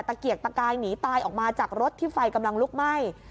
เกียกตะกายหนีตายออกมาจากรถที่ไฟกำลังลุกไหม้